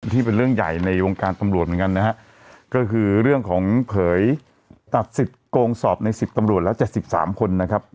ที่เป็นเรื่องใหญ่ในวงการตำรวจเหมือนกันนะฮะก็คือเรื่องของเผยตัดสิทธิ์โกงสอบใน๑๐ตำรวจแล้ว๗๓คนนะครับ